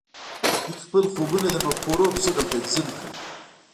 دوی خپل خوبونه د مفکورو په شکل تنظیم کړل